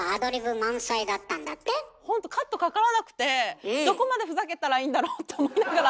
ほんとカットかからなくてどこまでふざけたらいいんだろうと思いながら。